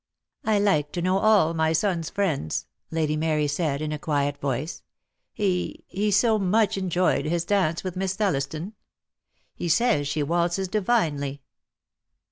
"I like to know all my son's friends," Lady Mary said, in a quiet voice. "He — he so much en joyed his dance with Miss Thelhston. He says she waltzes divinely."